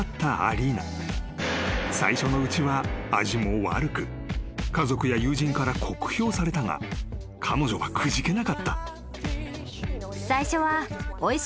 ［最初のうちは味も悪く家族や友人から酷評されたが彼女はくじけなかった］